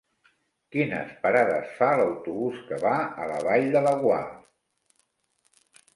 Quines parades fa l'autobús que va a la Vall de Laguar?